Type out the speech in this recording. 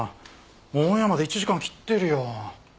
オンエアまで１時間切ってるよ。